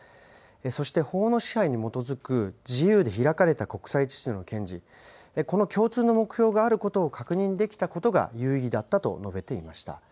そして法の支配に基づく自由で開かれた国際秩序の堅持、この共通の目標があることを確認できたことが有意義だったと述べていました。